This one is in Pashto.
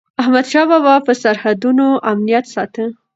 احمدشاه بابا به د سرحدونو امنیت ساته.